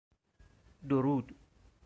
دورود